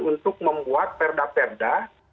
untuk membuat perda perda